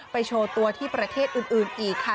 โชว์ตัวที่ประเทศอื่นอีกค่ะ